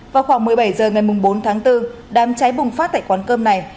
vào khoảng một mươi bảy h ngày bốn tháng bốn đám cháy bùng phát tại quán cơm này